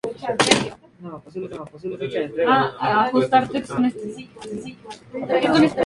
Finalmente se consolidó como defensa central, posición en que se afianzó definitivamente.